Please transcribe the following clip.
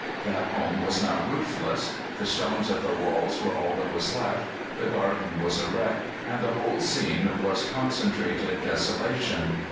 That home was now roofless. The stones of the walls were all that was left. The garden was a wreck, and the whole scene was concentrated desolation.